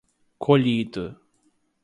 colhido